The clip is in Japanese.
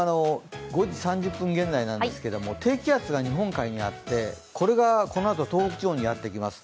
５時３０分現在なんですけれども、低気圧が日本海にあってこれがこのあと東北地方にやってきます。